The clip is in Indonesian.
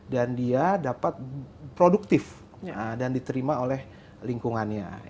dan dia dapat produktif dan diterima oleh lingkungannya